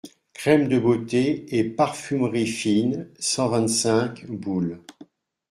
Crème de beauté et parfumerie fine cent vingt-cinq, boul.